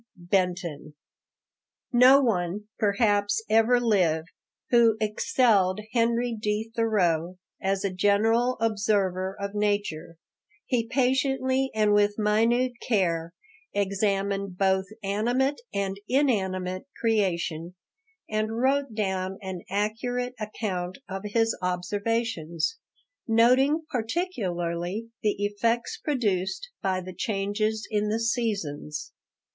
BENTON. No one perhaps ever lived who excelled Henry D. Thoreau as a general observer of nature. He patiently and with minute care examined both animate and inanimate creation, and wrote down an accurate account of his observations, noting particularly the effects produced by the changes in the seasons.